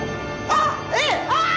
あっ！